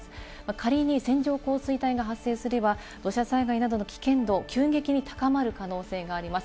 仮に線状降水帯が発生すれば土砂災害などの危険度が急激に高まる可能性があります。